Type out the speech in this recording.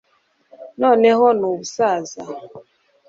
Noneho nubusaza